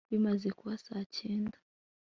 bimaze kuba saa cyenda